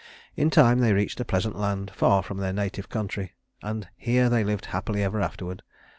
In time they reached a pleasant land far from their native country, and here they lived happily ever afterward.